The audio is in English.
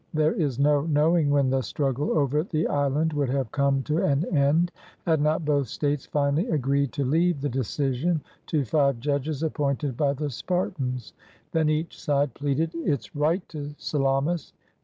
There is no knowing when the struggle over the island would have come to an end, had not both states finally agreed to leave the decision to five judges appointed by the Spartans. Then each side pleaded its right to Salamis.